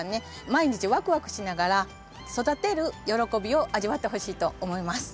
毎日ワクワクしながら育てる喜びを味わってほしいと思います。